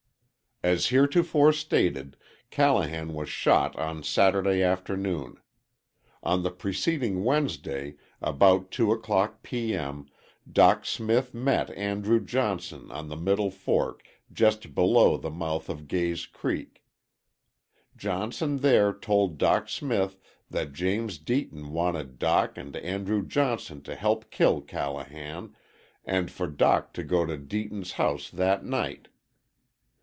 As heretofore stated, Callahan was shot on Saturday forenoon. On the preceding Wednesday, about two o'clock P. M., Dock Smith met Andrew Johnson on the Middle Fork just below the mouth of Gay's Creek. Johnson there told Dock Smith that James Deaton wanted Dock and Andrew Johnson to help kill Callahan, and for Dock to go to Deaton's house that night.